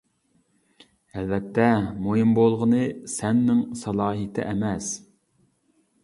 ئەلۋەتتە، مۇھىم بولغىنى سەننىڭ سالاھىيىتى ئەمەس.